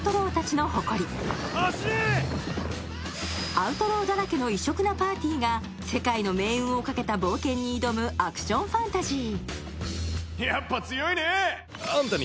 アウトローだらけの異色なパーティーが世界の命運をかけた冒険に挑むアクションファンタジー。